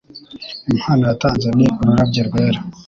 Impano yatanze ni ururabyo rwera